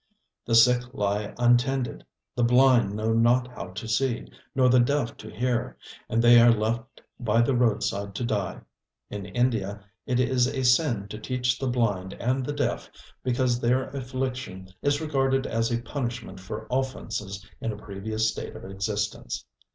The sick lie untended. The blind know not how to see, nor the deaf to hear, and they are left by the roadside to die. In India it is a sin to teach the blind and the deaf because their affliction is regarded as a punishment for offences in a previous state of existence.